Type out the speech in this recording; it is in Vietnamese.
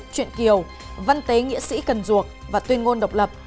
chuyện kiều văn tế nghĩa sĩ cần duộc và tuyên ngôn độc lập